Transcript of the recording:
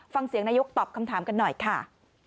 ฟังเสียงนายกตอบคำถามกันหน่อยค่ะ